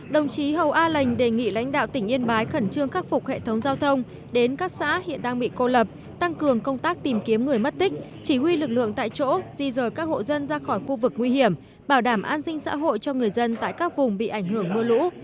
đồng chí hầu a lệnh đề nghị lãnh đạo tỉnh yên bái khẩn trương khắc phục hệ thống giao thông đến các xã hiện đang bị cô lập tăng cường công tác tìm kiếm người mất tích chỉ huy lực lượng tại chỗ di rời các hộ dân ra khỏi khu vực nguy hiểm bảo đảm an sinh xã hội cho người dân tại các vùng bị ảnh hưởng mưa lũ